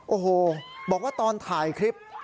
โอ้โหบอกว่าตอนถ่ายคลิป